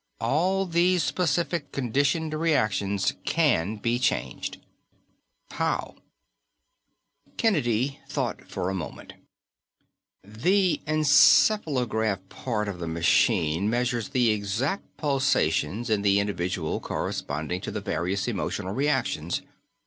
All these specific, conditioned reactions can be changed." "How?" Kennedy thought for a moment "The encephalographic part of the machine measures the exact pulsations in the individual corresponding to the various emotional reactions.